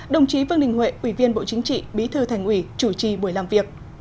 đồng chí vương đình huệ ủy viên bộ chính trị bí thư thành ủy chủ trì buổi làm việc